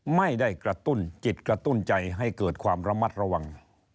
ไม่ได้กระตุ้นจิตกระตุ้นใจให้เกิดความระมัดระวัง